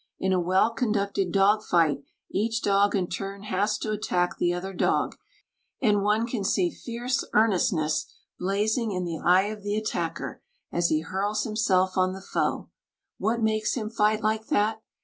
In a well conducted dog fight each dog in turn has to attack the other dog, and one can see fierce earnestness blazing in the eye of the attacker as he hurls himself on the foe. What makes him fight like that?